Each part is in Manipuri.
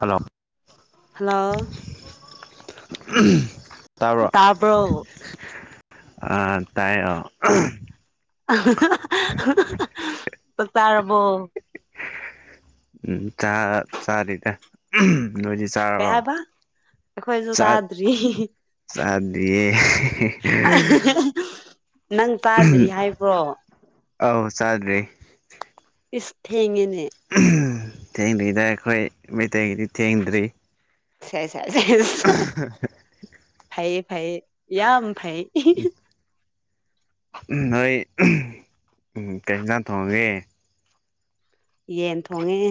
ꯍꯜꯂꯣ ꯍꯜꯂꯣ ꯎꯝ ꯇꯕ꯭ꯔꯣ ꯑꯥ ꯇꯥꯏꯌꯣ ꯍꯥ ꯍꯥ ꯍꯥ ꯍꯥ ꯆꯥꯛ ꯆꯥꯔꯕꯣ ꯎꯝ ꯆꯥ ꯆꯔꯤꯗ ꯎꯝ ꯅꯣꯏꯗꯤ ꯀꯩ ꯆꯥꯔꯕꯣ ꯍꯥꯏꯕ ꯑꯩꯈꯣꯏꯁꯨ ꯆꯥꯛ ꯆꯥꯗ꯭ꯔꯤ ꯆꯥꯗꯤꯌꯦ ꯍꯥ ꯍꯥ ꯍꯥ ꯍꯥ ꯅꯪ ꯆꯥꯗ꯭ꯔꯤ ꯍꯥꯏꯕ꯭ꯔꯣ ꯑꯧ ꯆꯥꯗ꯭ꯔꯤ ꯏꯁ ꯊꯦꯡꯉꯦꯅꯦ ꯊꯦꯡꯗ꯭ꯔꯤꯗ ꯑꯩꯈꯣꯏ ꯃꯩꯇꯩꯒꯤꯗꯤ ꯊꯦꯡꯗ꯭ꯔꯤ ꯁꯦ ꯁꯦ ꯁꯦꯁ ꯍꯥ ꯍꯥ ꯐꯩ ꯌꯦ ꯐꯩꯌꯦ ꯌꯥꯝ ꯐꯩ ꯍꯤ ꯍꯤ ꯍꯤ ꯅꯣꯏ ꯎꯝ ꯀꯩꯏꯟꯁꯡ ꯊꯣꯡꯉꯒꯦ ꯌꯦꯟ ꯊꯣꯡꯉꯦ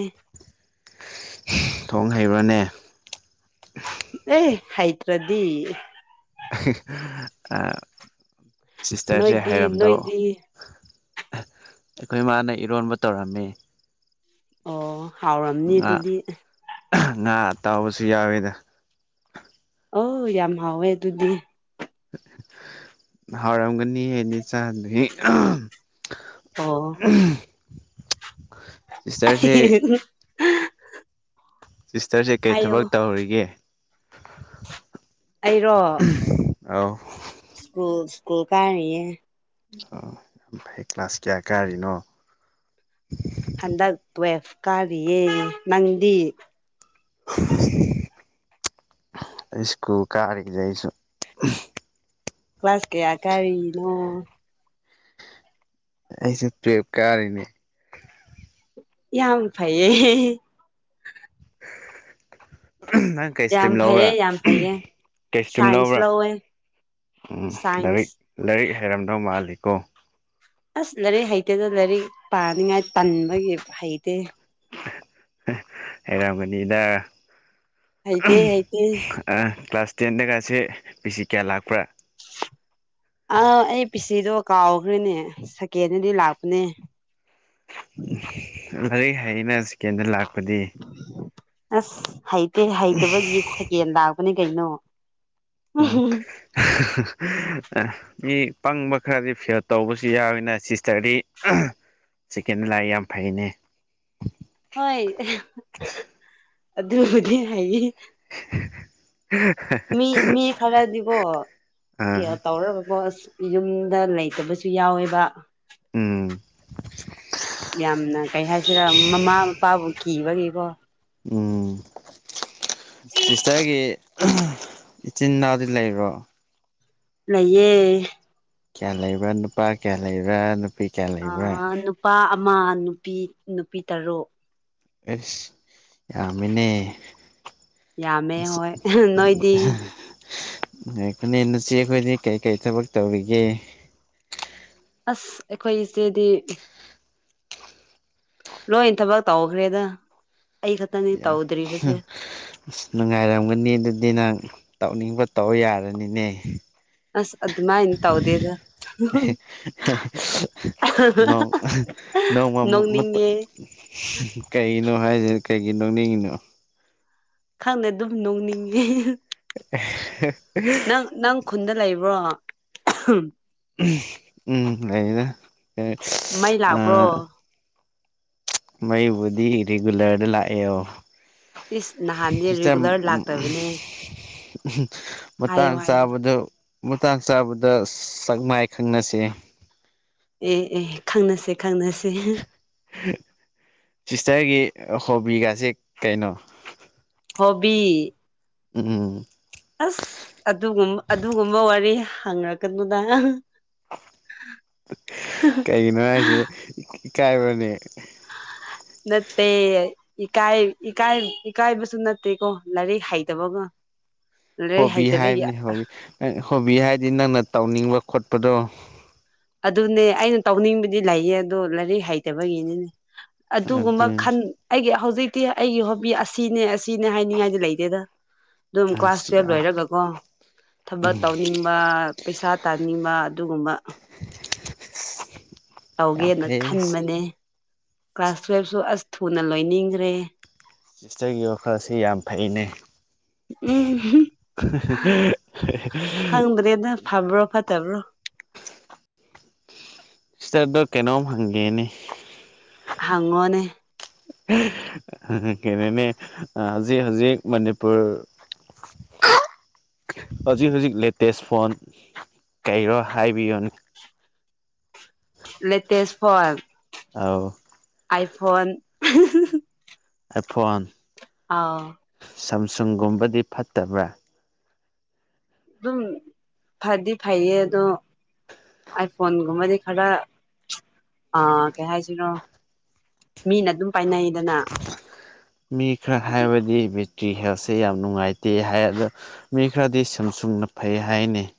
ꯊꯣꯡ ꯍꯩꯕ꯭ꯔꯅꯦ ꯑꯦ ꯍꯩꯇ꯭ꯔꯗꯤ ꯍꯑꯍꯤ ꯍꯥ ꯁꯤꯁꯇꯔꯁꯦ ꯅꯣꯏꯗꯤ ꯍꯩꯔꯝꯗꯧ ꯅꯣꯏꯗꯤ ꯑꯩꯈꯣꯏ ꯃꯥꯅ ꯏꯔꯣꯟꯕ ꯇꯧꯔꯝꯃꯦ ꯑꯣ ꯍꯥꯎꯔꯝꯅꯤ ꯑꯗꯨꯗꯤ ꯉꯥ ꯑꯇꯥꯎꯕꯁꯨ ꯌꯥꯎꯋꯤꯗ ꯑꯣ ꯌꯥꯝ ꯍꯥꯎꯋꯦ ꯑꯗꯨꯗꯤ ꯍꯥꯎꯔꯝꯒꯅꯤ ꯑꯩꯗꯤ ꯆꯥꯗ꯭ꯔꯤ ꯑꯣ ꯁꯤꯁꯇꯔꯁꯦ ꯁꯤꯁꯇꯔꯁꯦ ꯀꯩ ꯍꯥꯏꯌꯣ ꯊꯕꯛ ꯇꯧꯔꯤꯒꯦ ꯑꯩꯔꯣ ꯑꯧ ꯁ꯭ꯀꯨꯜ ꯁ꯭ꯀꯨꯜ ꯀꯥꯔꯤꯌꯦ ꯑꯣ ꯌꯥꯝ ꯐꯩ ꯀ꯭ꯂꯥꯁ ꯀꯌꯥ ꯀꯔꯤꯅꯣ ꯍꯟꯗꯛ ꯇꯋꯦꯐ ꯀꯔꯤꯌꯦ ꯅꯪꯗꯤ [inaudible] ꯏꯁꯀꯨꯜ ꯀꯥꯔꯤꯌꯦ ꯑꯩꯁꯨ ꯎꯝ ꯀ꯭ꯂꯥꯁ ꯀꯌꯥ ꯀꯥꯔꯤꯅꯣ ꯑꯩꯁꯨ ꯇꯨꯌꯦꯐ ꯀꯔꯤꯅꯦ ꯌꯥꯝ ꯐꯩꯌꯦ ꯅꯪ ꯌꯥꯝ ꯀꯩꯁꯇ꯭ꯔꯤꯝ ꯐꯩꯌꯦ ꯂꯧꯕ꯭ꯔꯥ ꯌꯥꯝ ꯐꯩꯌꯦ ꯀꯩꯁꯇ꯭ꯔꯤꯝ ꯁꯥꯏꯟꯁ ꯂꯧꯕ꯭ꯔꯥ ꯂꯧꯋꯦ ꯎꯝ ꯁꯥꯏꯟꯁ ꯂꯥꯏꯔꯤꯛ ꯂꯥꯏꯔꯤꯛ ꯍꯩꯔꯝꯗꯧ ꯃꯥꯜꯂꯤꯀꯣ ꯑꯁ ꯂꯥꯏꯔꯤꯛ ꯍꯩꯇꯦꯗ ꯂꯥꯏꯔꯤꯛ ꯄꯥꯅꯤꯡꯉꯥꯏ ꯇꯟꯕꯒꯤ ꯍꯩꯇꯦ ꯍꯦ ꯍꯩꯔꯝꯒꯅꯤꯗ ꯍꯩꯇꯦ ꯍꯩꯇꯦ ꯑꯍꯝ ꯀ꯭ꯂꯥꯁ ꯇꯦꯟꯗꯒꯥꯁꯦ ꯄꯤꯁꯤ ꯀꯌꯥ ꯂꯥꯛꯄ꯭ꯔꯥ ꯑꯥ ꯑꯩ ꯄꯤꯆꯗꯣ ꯀꯥꯎꯈ꯭ꯔꯦꯅꯦ ꯁꯀꯦꯟꯗꯗꯤ ꯂꯥꯛꯄꯅꯦ ꯎꯝ ꯂꯥꯏꯔꯤꯛ ꯍꯩꯅ ꯆꯀꯦꯟꯗ ꯂꯥꯛꯄꯗꯤ ꯑꯁ ꯍꯩꯇꯦ ꯍꯩꯇꯕꯒꯤ ꯁꯀꯦꯟ ꯂꯥꯛꯄꯅꯦ ꯀꯩꯅꯣ ꯎꯝ ꯍꯥ ꯍꯥ ꯍꯥ ꯃꯤ ꯄꯪꯕ ꯈꯔꯗꯤ ꯐꯤꯦꯜ ꯇꯧꯕꯁꯨ ꯌꯥꯎꯋꯦꯅ ꯁꯤꯁꯇꯔꯗꯤ ꯁꯤꯀꯦꯟ ꯂꯥꯛꯑꯦ ꯌꯥꯝ ꯐꯩꯅꯦ ꯍꯣꯏ ꯍꯥ ꯑꯗꯨꯕꯨꯗꯤ ꯍꯥꯏꯌꯦ ꯃꯤ ꯃꯤ ꯈꯔꯗꯤꯕꯣ ꯑꯥ ꯀꯌꯥ ꯇꯧꯔꯕꯀꯣ ꯑꯁ ꯌꯨꯝꯗ ꯂꯩꯇꯕꯁꯨ ꯌꯥꯎꯋꯦꯕ ꯎꯝ ꯌꯥꯝꯅ ꯀꯩ ꯍꯥꯏꯁꯤꯔꯥ ꯃꯃꯥ ꯃꯄꯥꯕꯨ ꯀꯤꯕꯒꯤꯀꯣ ꯎꯝ ꯁꯤꯁꯇꯔꯒꯤ ꯏꯆꯤꯟ ꯏꯅꯥꯎꯗꯤ ꯂꯩꯕꯔꯣ ꯂꯩꯌꯦ ꯀꯌꯥ ꯂꯩꯕꯔꯥ ꯅꯨꯄꯥ ꯀꯌꯥ ꯂꯩꯕꯔꯥ ꯅꯨꯄꯥ ꯑꯃ ꯅꯨꯄꯤ ꯅꯨꯄꯤ ꯇꯔꯨꯛ ꯑꯁ ꯌꯥꯝꯃꯤꯅꯦ ꯌꯥꯃꯦ ꯍꯣꯏ ꯅꯣꯏꯗꯤ ꯉꯥꯏꯈꯣꯅꯦ ꯅꯆꯦ ꯈꯣꯏꯗꯤ ꯀꯔꯤꯀꯔꯤ ꯊꯕꯛ ꯇꯧꯔꯤꯒꯦ ꯑꯩꯈꯣꯏ ꯏꯆꯦꯗꯤ ꯂꯣꯏ ꯊꯕꯛ ꯇꯧꯈ꯭ꯔꯦꯗ ꯑꯩ ꯈꯛꯇꯅꯤ ꯇꯧꯗ꯭ꯔꯤꯕꯁꯦ ꯑꯁ ꯅꯨꯡꯉꯥꯏꯔꯝꯒꯅꯤ ꯑꯗꯨꯗꯤ ꯅꯪ ꯇꯧꯅꯤꯡꯕ ꯇꯧ ꯌꯥꯔꯅꯤꯅꯦ ꯑꯁ ꯑꯗꯨꯃꯥꯏꯅ ꯍꯦ ꯇꯧꯗꯦꯗ ꯍꯦ ꯍꯦ ꯅꯣ ꯅꯣ ꯅꯣꯡꯃ ꯃꯨꯠ ꯅꯣꯡꯅꯤꯡꯉꯦ ꯀꯩꯅꯣ ꯍꯥꯏꯁꯦ ꯀꯩꯒꯤ ꯅꯣꯛꯅꯤꯡꯉꯤꯅꯣ ꯈꯪꯗꯦ ꯑꯗꯨꯝ ꯅꯣꯡꯅꯤꯡꯉꯦ ꯅꯪ ꯅꯪ ꯈꯨꯟꯗ ꯂꯩꯕ꯭ꯔꯣ ꯎꯝ ꯂꯩꯔꯦ ꯃꯩ ꯂꯥꯛꯄ꯭ꯔꯣ ꯃꯩꯕꯨꯗꯤ ꯔꯤꯒꯨꯂꯔꯗ ꯂꯥꯛꯑꯦ ꯏꯁ ꯅꯍꯥꯟꯗꯤ ꯔꯤꯒꯨꯂꯔ ꯂꯥꯛꯇꯕꯅꯦ ꯍꯥꯏꯌꯣ ꯃꯇꯥꯡ ꯍꯥꯏꯌꯣ ꯆꯥꯕꯗꯨ ꯃꯇꯥꯛ ꯆꯥꯕꯗ ꯁꯛꯃꯥꯏ ꯈꯪꯅꯁꯦ ꯑꯦ ꯑꯦ ꯈꯪꯅꯁꯦ ꯈꯪꯅꯁꯦ ꯁꯤꯁꯇ꯭ꯔꯒꯤ ꯍꯣꯕꯤꯒꯥꯁꯦ ꯀꯩꯅꯣ ꯍꯣꯕꯤ ꯎꯝ ꯑꯁ ꯑꯗꯨꯒꯨꯝ ꯑꯗꯨꯒꯨꯝꯕ ꯋꯥꯔꯤ ꯍꯪꯉꯛꯀꯅꯨꯗ ꯀꯩꯒꯤꯅꯣ ꯍꯥꯏꯁꯦ ꯏ ꯀꯥꯏꯕ꯭ꯔꯣꯅꯦ [inaudible] ꯅꯠꯇꯦ ꯏꯀꯥꯏꯀꯥꯏ ꯏꯀꯥꯏꯕꯁꯨ ꯅꯠꯇꯦꯀꯣ ꯂꯥꯏꯔꯤꯛ ꯍꯩꯇꯕꯒ [inaudible] ꯂꯥꯏꯔꯤꯛ ꯍꯣꯕꯤ ꯍꯩꯇꯕꯒꯤ ꯍꯥꯏꯕꯅꯤ ꯍꯣꯕꯤ ꯍꯣꯕꯤ ꯍꯥꯏꯗꯤ ꯅꯪꯅ ꯇꯧꯅꯤꯡꯕ ꯈꯣꯠꯄꯗꯣ ꯑꯗꯨꯅꯦ ꯑꯩꯅ ꯇꯧꯅꯤꯡꯕꯗꯤ ꯂꯩꯌꯦ ꯑꯗꯣ ꯂꯥꯏꯔꯤꯛ ꯍꯩꯇꯕꯒꯤꯅꯤꯅꯦ ꯑꯗꯨꯒꯨꯝꯕ ꯑꯗꯨ ꯈꯟ ꯑꯩꯒꯤ ꯍꯧꯖꯤꯛꯇꯤ ꯑꯩꯒꯤ ꯍꯣꯕꯤ ꯑꯁꯤꯅꯦ ꯁꯤꯅꯦ ꯍꯥꯏꯅꯤꯡꯉꯥꯏꯗꯤ ꯂꯩꯇꯦꯗ ꯑꯗꯨꯝ ꯀ꯭ꯂꯥꯁ ꯑꯁ ꯇꯨꯋꯦꯜꯕ ꯌꯥꯝ ꯂꯣꯏꯔꯒꯀꯣ ꯊꯕꯛ ꯇꯧꯅꯤꯡꯕ ꯄꯩꯁꯥ ꯇꯥꯅꯤꯡꯕ ꯑꯗꯨꯒꯨꯝꯕ ꯌꯥꯝ ꯇꯧꯒꯦꯅ ꯐꯩ ꯈꯟꯕꯅꯦ ꯀ꯭ꯂꯥꯁ ꯇꯨꯋꯦꯜꯐꯁꯨ ꯑꯁ ꯊꯨꯅ ꯂꯣꯏꯅꯤꯡꯒ꯭ꯔꯦ ꯁꯤꯁꯇꯔꯒꯤ ꯋꯥꯈꯜꯁꯤ ꯌꯥꯝ ꯐꯩꯅꯦ ꯎꯝ ꯈꯪꯗ꯭ꯔꯦꯗ ꯐꯥꯕ꯭ꯔꯣ ꯐꯠ ꯇꯥꯕꯔꯣ ꯁꯤꯁꯇꯔꯗ ꯀꯩꯅꯣꯝ ꯍꯪꯒꯦꯅꯦ ꯍꯪꯉꯣꯅꯦ ꯍꯪꯒꯦꯅꯦ ꯍꯧꯖꯤꯛ ꯍꯧꯖꯤꯛ ꯃꯅꯤꯄꯨꯔ [inaudible] ꯍꯧꯖꯤꯛ ꯍꯧꯖꯤꯛ ꯂꯦꯇꯦꯁ ꯐꯣꯟ ꯀꯔꯤꯔꯣ ꯍꯥꯏꯕꯤꯌꯣꯅꯦ ꯂꯦꯇꯦꯁ ꯐꯣꯟ ꯑꯧ ꯑꯥꯏ ꯐꯣꯟ ꯑꯥꯏꯐꯣꯟ ꯁꯝꯁꯨꯡꯒꯨꯝꯕꯗꯤ ꯐꯠꯇꯕ꯭ꯔꯥ ꯑꯗꯨꯝ ꯐꯗꯤ ꯐꯩꯌꯦ ꯑꯗꯣ ꯑꯥꯏ ꯐꯣꯟꯒꯨꯝꯕꯗꯤ ꯈꯔ ꯑ ꯀꯩ ꯍꯥꯏꯁꯤꯅꯣ ꯃꯤꯅ ꯑꯗꯨꯝ ꯄꯥꯏꯅꯩꯗꯅ ꯃꯤ ꯈꯔ ꯑꯗꯨꯒꯤ ꯍꯥꯏꯕꯗꯤ ꯀꯤ ꯍꯦꯜꯁꯦ ꯌꯥꯝ ꯅꯨꯡꯉꯥꯏꯇꯦ ꯍꯥꯏ ꯑꯗꯣ ꯃꯤ ꯈꯔꯗꯤ ꯁꯝꯁꯨꯡꯅ ꯐꯩ ꯍꯥꯏꯑꯦꯅꯦ [inaudible]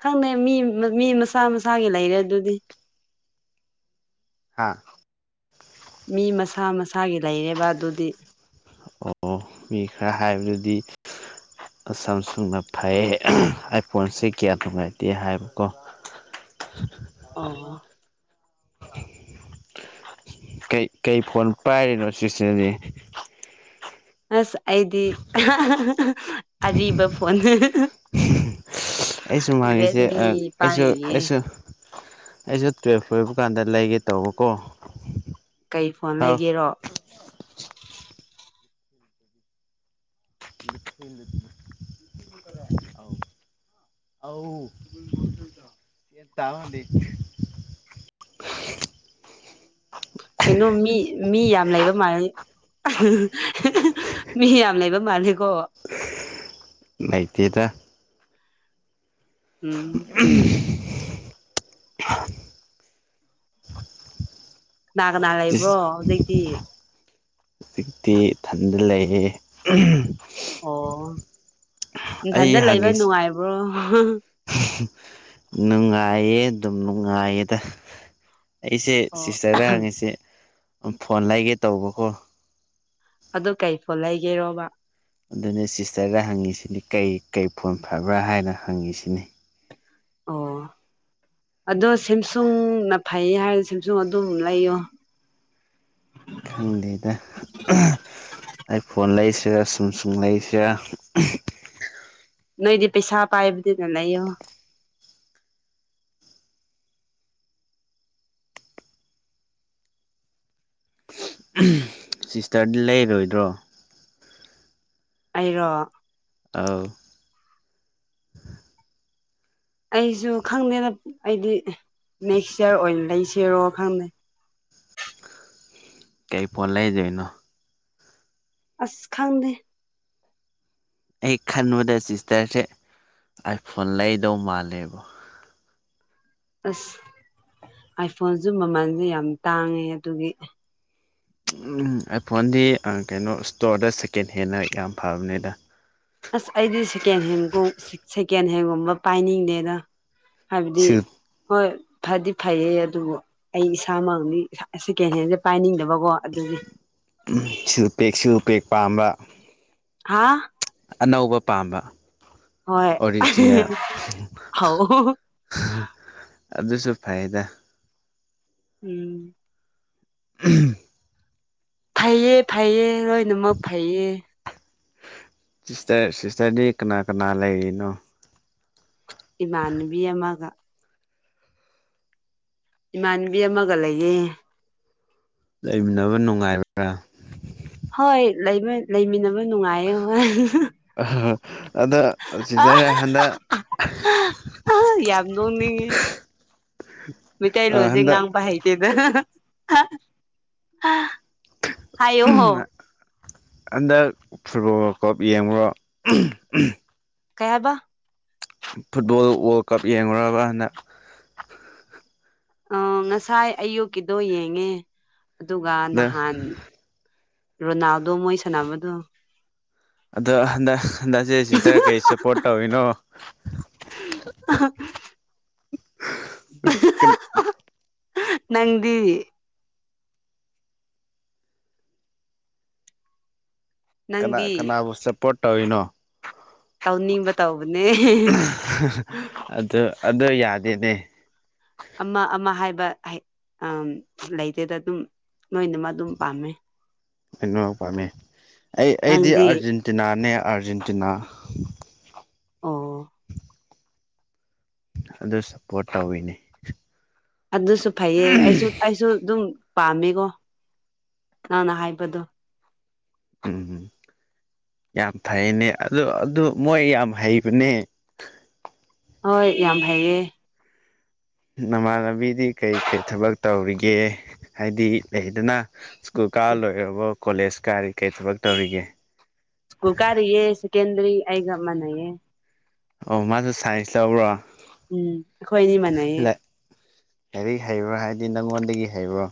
ꯈꯪꯗꯦ ꯃꯤ ꯃꯤ ꯃꯁꯥ ꯃꯁꯥꯒꯤ ꯂꯩꯔꯦ ꯑꯗꯨꯗꯤ ꯍꯥꯥ ꯃꯤ ꯃꯁꯥ ꯃꯁꯥꯒꯤ ꯂꯩꯔꯦꯕ ꯑꯗꯨꯗꯤ ꯑꯣ ꯃꯤ ꯈꯔ ꯍꯥꯏꯕꯗꯨꯗꯤ ꯁꯝꯁꯨꯡꯅ ꯐꯩꯌꯦ ꯑꯥꯏ ꯐꯣꯟꯁꯦ ꯀꯌꯥ ꯅꯨꯡꯉꯥꯏꯇꯦ ꯍꯥꯏꯕꯀꯣ [inaudible] ꯑꯣ [inaudible] ꯀꯩ ꯀꯩ ꯐꯣꯟ ꯄꯥꯏꯔꯤꯅꯣ ꯁꯤꯁꯇꯔꯗꯤ ꯑꯁ ꯑꯩꯗꯤ ꯑꯔꯤꯕ ꯐꯣꯟꯅꯤ ꯑꯩꯁꯨ ꯃꯥꯉꯁꯦ ꯑꯩꯁꯨ ꯄꯥꯏꯔꯤꯌꯦ ꯑꯩꯁꯨ ꯑꯩꯁꯨ ꯇꯨꯋꯦꯜꯞ ꯂꯣꯏꯕ ꯀꯥꯟꯗ ꯂꯩꯒꯦ ꯇꯧꯕꯀꯣ ꯀꯩ ꯐꯣꯟ ꯍꯥꯎ ꯂꯩꯒꯦꯔꯣ ꯥ [inaudible] [unintelligible] [inaudible] ꯀꯩꯅꯣ ꯃꯤ ꯃꯤ ꯌꯥꯝ ꯂꯩꯕ ꯃꯥꯜꯂꯦ ꯃꯤ ꯌꯥꯝ ꯂꯩꯕ ꯃꯥꯜꯂꯤ ꯂꯩꯇꯦꯗ ꯎꯝ [unintelligible] ꯀꯅꯥ ꯀꯅꯥ ꯂꯩꯕ꯭ꯔꯣ ꯍꯧꯖꯤꯛꯇꯤ ꯍꯧꯖꯤꯛꯇꯤ ꯊꯟꯗ ꯂꯩꯌꯦ ꯑꯣ ꯑꯩ ꯏꯝꯐꯥꯜꯗ ꯂꯩꯕ ꯍꯪꯉꯤꯁꯦ ꯅꯨꯡꯉꯥꯏꯕ꯭ꯔꯣ ꯅꯨꯡꯉꯥꯏꯌꯦ ꯑꯗꯨꯝ ꯅꯨꯡꯉꯥꯏꯌꯦꯗ ꯑꯩꯁꯦ ꯑꯣ ꯁꯤꯁꯇꯔꯗ ꯍꯪꯉꯤꯁꯦ ꯐꯣꯟ ꯂꯩꯒꯦ ꯇꯧꯕꯀꯣ ꯑꯗꯨ ꯀꯩ ꯐꯣꯟ ꯂꯩꯒꯦꯔꯣꯕ ꯑꯗꯨꯅ ꯁꯤꯁꯇꯔꯗ ꯍꯪꯉꯤꯁꯤꯅꯤ ꯀꯩ ꯀꯩ ꯐꯣꯟ ꯐꯕ꯭ꯔꯥ ꯍꯥꯏꯅ ꯍꯪꯉꯤꯁꯤꯅꯤ ꯑꯣ ꯑꯗꯣ ꯁꯦꯝꯁꯨꯡꯅ ꯐꯩꯌꯦ ꯍꯥꯏꯔꯗꯤ ꯁꯦꯝꯁꯨꯡ ꯑꯗꯨꯝ ꯂꯩꯌꯣ ꯈꯪꯗꯦꯗ ꯑꯥꯏ ꯐꯣꯟ ꯂꯩꯁꯤꯔꯥ ꯁꯦꯝꯁꯨꯡ ꯂꯩꯁꯤꯔꯥ ꯅꯣꯏꯗꯤ ꯄꯩꯁꯥ ꯄꯥꯏꯕꯗꯨꯅ ꯂꯩꯌꯣ ꯎꯍꯨꯝ ꯁꯤꯁꯇꯔꯗꯤ ꯂꯩꯔꯣꯏꯗ꯭ꯔꯣ ꯑꯩꯔꯣ ꯑꯥꯎ ꯑꯩꯁꯨ ꯈꯪꯗꯦꯅꯦ ꯑꯩꯗꯤ ꯅꯦꯛꯁꯌꯔ ꯑꯣꯏꯅ ꯂꯩꯁꯤꯔꯣ ꯈꯪꯗꯦ [inaudible] ꯀꯩ ꯐꯣꯟ ꯂꯩꯗꯣꯏꯅꯣ ꯑꯁ ꯈꯪꯗꯦ ꯑꯩ ꯈꯟꯕꯗ ꯁꯤꯁꯇꯔꯁꯦ ꯑꯥꯏꯐꯣꯟ ꯂꯩꯗꯧ ꯃꯥꯜꯂꯦꯕꯨ ꯑꯁ ꯑꯥꯏꯐꯣꯟꯁꯨ ꯃꯃꯜꯗꯤ ꯌꯥꯝ ꯇꯥꯡꯉꯦ ꯑꯗꯨꯒꯤ ꯎꯝ ꯑꯥꯏꯐꯣꯟꯗꯤ ꯑ ꯀꯩꯅꯣ ꯏꯁꯇꯣꯔꯗ ꯁꯦꯀꯦꯟ ꯍꯦꯟꯅ ꯌꯥꯝ ꯐꯕꯅꯤꯗ ꯑꯁ ꯑꯩꯗꯤ ꯁꯦꯀꯦꯟ ꯍꯦꯟꯒꯨꯝ ꯁꯦꯀꯦꯟ ꯍꯦꯟꯒꯨꯝꯕ ꯄꯥꯏꯅꯤꯡꯗꯦꯗ ꯍꯥꯏꯕꯗꯤ ꯁꯤꯜ ꯍꯣꯏ ꯐꯗꯤ ꯐꯩꯌꯦ ꯑꯗꯨꯕꯨ ꯑꯩ ꯏꯁꯥꯃꯛꯅꯤ ꯁꯦꯀꯦꯟ ꯍꯦꯟꯁꯦ ꯄꯥꯏꯅꯤꯡꯗꯕꯀꯣ ꯑꯗꯨꯒꯤ ꯁꯤꯜ ꯄꯦꯛ ꯁꯤꯜ ꯄꯦꯛ ꯄꯥꯝꯕ ꯍꯥꯥ ꯑꯅꯧꯕ ꯄꯥꯝꯕ ꯍꯣꯏ ꯑꯣꯔꯤꯖꯤꯅꯦꯜ ꯍꯧ ꯑꯗꯨꯁꯨ ꯐꯩꯌꯦꯗ ꯎꯝ [unintelligible] ꯐꯩꯌꯦ ꯐꯩꯌꯦ ꯂꯣꯏꯅꯃꯛ ꯐꯩꯌꯦ ꯁꯤꯁꯇꯔ ꯁꯤꯁꯇꯔꯗꯤ ꯀꯅꯥ ꯀꯅꯥ ꯂꯩꯔꯤꯅꯣ ꯏꯃꯥꯟꯅꯕꯤ ꯑꯃꯒ ꯏꯃꯥꯟꯅꯕꯤ ꯑꯃꯒ ꯂꯩꯌꯦ ꯂꯩꯃꯤꯟꯅꯕ ꯅꯨꯡꯉꯥꯏꯕ꯭ꯔꯥ ꯍꯣꯏ ꯂꯩꯕ ꯂꯩꯃꯤꯟꯅꯕ ꯅꯨꯡꯉꯥꯏꯌꯦ ꯍꯣꯏ ꯑꯗ ꯑ ꯁꯤꯁꯇꯔ ꯍ ꯍꯟꯗꯛ ꯍ ꯍ ꯌꯥꯝ ꯅꯣꯛꯅꯤꯡꯉꯦ ꯃꯤꯇꯩꯂꯣꯟꯖꯦ ꯍꯟꯗꯛ ꯉꯥꯡꯄ ꯍꯩꯇꯦꯕ ꯍꯥ ꯍꯥ ꯍꯥꯏꯌꯣ ꯍꯣ ꯍꯟꯗꯛ ꯐꯨꯠꯕꯣꯜ ꯋꯥꯜꯀꯞ ꯌꯦꯡꯕ꯭ꯔꯣ ꯀꯩꯍꯥꯏꯕ ꯐꯨꯠꯕꯣꯜ ꯋꯥꯔꯜ ꯀꯞ ꯌꯦꯕꯔꯕ ꯍꯟꯗꯛ ꯑ ꯉꯁꯥꯏ ꯑꯌꯨꯛꯀꯤꯗꯣ ꯌꯦꯡꯉꯦ ꯑꯗꯨꯒ ꯑꯗ ꯅꯍꯥꯟ ꯔꯣꯅꯥꯜꯗꯣ ꯃꯣꯏ ꯁꯥꯟꯅꯕꯗꯨ ꯑꯗꯣ ꯍꯟꯗ ꯍꯟꯗꯛꯁꯦ ꯁꯤꯁꯇꯔ ꯀꯩ ꯁꯞꯄꯣꯔꯠ ꯇꯧꯔꯤꯅꯣ ꯀꯝ ꯅꯪꯗꯤ ꯀꯅꯥ ꯅꯪꯗꯤ ꯀꯅꯥꯕꯨ ꯁꯞꯄꯣꯔꯠ ꯇꯧꯔꯤꯅꯣ ꯇꯧꯅꯤꯡꯕ ꯇꯧꯕꯅꯦ ꯑꯗꯨ ꯑꯗꯨ ꯌꯥꯗꯦꯅꯦ ꯑꯃ ꯑꯃ ꯍꯥꯏꯕ ꯍꯩ ꯑ ꯂꯩꯗꯦꯗ ꯑꯗꯨꯝ ꯅꯣꯏꯅ ꯃꯥꯗꯨꯝ ꯄꯥꯝꯃꯦ ꯀꯃꯛ ꯄꯥꯝꯃꯤ ꯑꯩ ꯑꯩꯗꯤ ꯅꯪꯗꯤ ꯑꯥꯔꯖꯦꯟꯇꯤꯅꯥꯅꯦ ꯑꯥꯔꯖꯦꯟꯇꯤꯅꯥ ꯑꯣ ꯑꯗꯨ ꯁꯞꯄꯣꯔꯠ ꯇꯧꯋꯤꯅꯦ ꯑꯗꯨꯁꯨ ꯐꯩꯌꯦ ꯑꯩꯁꯨ ꯑꯩꯁꯨ ꯑꯗꯨꯝ ꯄꯥꯝꯃꯦꯀꯣ ꯅꯪꯅ ꯍꯥꯏꯕꯗꯨ ꯎꯝ ꯌꯥꯝ ꯐꯩꯌꯦꯅꯦ ꯑꯗꯨ ꯑꯗꯨ ꯃꯣꯏ ꯌꯥꯝ ꯍꯩꯕꯅꯦ ꯍꯣꯏ ꯌꯥꯝ ꯐꯩꯌꯦ ꯅꯃꯥꯟꯅꯕꯤꯗꯤ ꯀꯩꯀꯩ ꯊꯕꯛ ꯇꯧꯔꯤꯒꯦ ꯍꯥꯏꯗꯤ ꯂꯩꯗꯅ ꯁ꯭ꯀꯨꯜ ꯀꯥꯔ ꯂꯣꯏꯔꯕꯣ ꯀꯣꯂꯦꯖ ꯀꯥꯔꯤ ꯀꯩ ꯊꯕꯛ ꯇꯧꯔꯤꯒꯦ ꯁ꯭ꯀꯨꯜ ꯀꯥꯔꯤꯌꯦ ꯁꯦꯀꯦꯟꯗꯔꯤ ꯑꯩꯒ ꯃꯥꯟꯅꯩꯌꯦ꯫ ꯑꯣ ꯃꯥꯅ ꯁꯥꯏꯟꯁ ꯂꯧꯕ꯭ꯔꯣ ꯎꯝ ꯑꯩꯈꯣꯏꯅꯤ ꯃꯥꯟꯅꯩꯌꯦ ꯀꯔꯤ ꯍꯩꯕ꯭ꯔꯣ ꯍꯥꯏꯗꯤ ꯅꯪꯉꯣꯟꯗꯒꯤ ꯍꯩꯕ꯭ꯔꯣ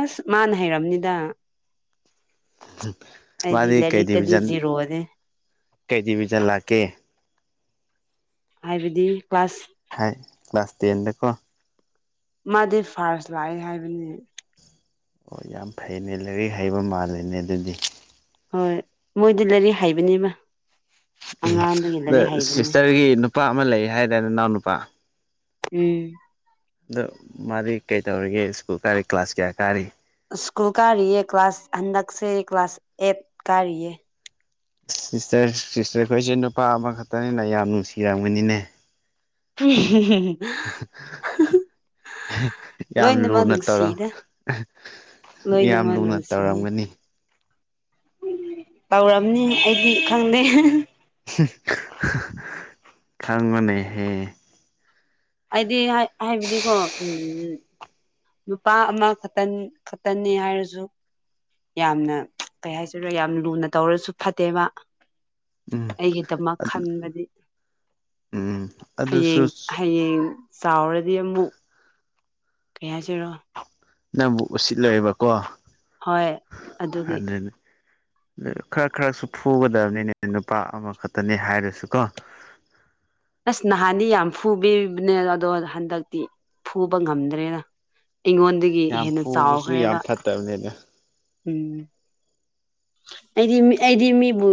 ꯑꯁ ꯃꯥꯅ ꯍꯩꯔꯝꯅꯤꯗ [unintelligible] ꯑꯩꯗꯤ ꯃꯥꯗꯤ ꯀꯩ ꯂꯥꯏꯔꯤꯛꯇꯗꯤ ꯗꯤꯚꯖꯟ ꯖꯤꯔꯣꯅꯦ ꯀꯩ ꯗꯤꯚꯖꯟ ꯂꯥꯛꯀꯦ ꯍꯥꯏꯕꯗꯤ ꯀ꯭ꯂꯥꯁ ꯍꯥꯏ ꯀ꯭ꯂꯥꯁ ꯇꯦꯟꯗꯀꯣ ꯃꯥꯗꯤ ꯐꯥꯔꯁ ꯂꯥꯛꯑꯦ ꯍꯥꯏꯕꯅꯤ ꯑꯣ ꯌꯥꯝ ꯐꯩꯅꯦ ꯂꯥꯏꯔꯤꯛ ꯍꯩꯕ ꯃꯥꯜꯂꯦꯅꯦ ꯑꯗꯨꯗꯤ ꯍꯣꯏ ꯃꯣꯏꯗꯤ ꯂꯥꯏꯔꯤꯛ ꯍꯥꯏꯕꯅꯤꯃ ꯎꯝ ꯑꯗ ꯁꯤꯁꯇꯔꯒꯤ ꯅꯨꯄꯥ ꯑꯃ ꯂꯩ ꯍꯥꯏꯗꯦ ꯅ ꯏꯅꯥꯎ ꯅꯨꯄꯥ ꯎꯝ ꯑꯗꯣ ꯃꯥꯗꯤ ꯀꯩ ꯇꯧꯔꯤꯒꯦ ꯁ꯭ꯀꯨꯜ ꯀꯥꯔꯤ ꯀ꯭ꯂꯥꯁ ꯀꯌꯥ ꯀꯥꯔꯤ ꯁ꯭ꯀꯨꯜ ꯀꯥꯔꯤꯌꯦ ꯀ꯭ꯂꯥꯁ ꯍꯟꯗꯛꯁꯤ ꯀ꯭ꯂꯥꯁ ꯑꯦꯠ ꯀꯥꯔꯤꯌꯦ ꯁꯤꯁꯇꯔ ꯁꯤꯁꯇꯔꯈꯣꯏꯁꯦ ꯅꯨꯄꯥ ꯑꯃꯈꯛꯇꯅꯤꯅ ꯌꯥꯝ ꯅꯨꯡꯁꯤꯔꯝꯒꯅꯤꯅꯦ ꯎꯝꯍꯨꯝ ꯍꯥ ꯍꯥ ꯌꯥꯝ ꯂꯨꯅ ꯇꯧꯔꯣ ꯌꯥꯝ ꯂꯣꯏꯅꯃꯛ ꯂꯨꯅ ꯅꯨꯡꯁꯤ ꯇꯧꯔꯝꯒꯅꯤ ꯇꯧꯔꯝꯅꯤ ꯑꯩꯗꯤ ꯈꯪꯗꯦ ꯈꯪꯉꯣꯅꯦꯍꯦ ꯑꯩꯗꯤ ꯍꯥꯏꯕꯗꯤꯀꯣ ꯎꯝ ꯅꯨꯄꯥ ꯑꯃꯈꯛꯇ ꯈꯛꯇꯅꯤ ꯍꯥꯏꯔꯁꯨ ꯌꯥꯝꯅ ꯀꯩ ꯍꯥꯏꯁꯤꯔ ꯌꯥꯝ ꯂꯨꯅ ꯇꯧꯔꯁꯨ ꯐꯠꯇꯦꯕ ꯎꯝ ꯑꯩꯒꯤꯗꯃꯛ ꯈꯟꯕꯗꯤ ꯎꯝ ꯑꯗꯨꯁꯨ ꯍꯌꯦꯡ ꯍꯌꯦꯡ ꯆꯥꯎꯔꯗꯤ ꯑꯃꯨꯛ ꯀꯩ ꯍꯥꯏꯁꯤꯔꯣ ꯅꯪꯕꯨ ꯎꯁꯤꯠꯂꯣꯏꯕꯀꯣ ꯍꯣꯏ ꯑꯗꯨꯒꯤ ꯑꯗꯨꯅꯤ ꯈꯔ ꯈꯔꯁꯨ ꯐꯨꯒꯗꯕꯅꯤꯅꯦ ꯅꯨꯄꯥ ꯑꯃꯈꯛꯇꯅꯤ ꯍꯥꯏꯔꯁꯨ ꯀꯣ [inaudible] ꯑꯁ ꯅꯍꯥꯟꯗꯤ ꯌꯥꯝ ꯐꯨꯕꯤꯕꯅꯦ ꯑꯗꯣ ꯍꯟꯗꯛꯇꯤ ꯐꯨꯕ ꯉꯝꯗ꯭ꯔꯦꯅ ꯑꯩꯉꯣꯟꯗꯒꯤ ꯌꯥꯝ ꯍꯦꯟꯅ ꯐꯨꯕꯁꯨ ꯆꯥꯎꯈ꯭ꯔꯦꯕ ꯌꯥꯝ ꯐꯠꯇꯕꯅꯤꯅ ꯑꯩꯗꯤ ꯑꯩꯗꯤ ꯃꯤꯕꯨ